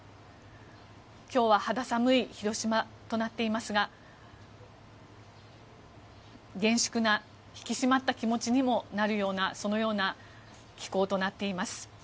今日は肌寒い広島となっていますが厳粛な引き締まった気持ちにもなるようなそのような気候となっています。